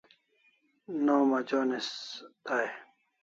Nom jonis dai